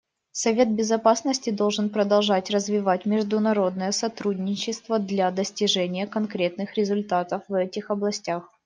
Совет Безопасности должен продолжать развивать международное сотрудничество для достижения конкретных результатов в этих областях.